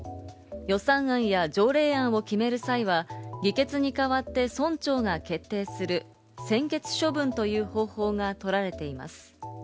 予算案や条例案を決める際は、議決にかわって村長が決定する専決処分という方法がとられています。